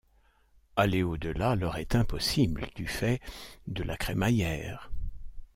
Aller au-delà leur est impossible du fait de la crémaillère.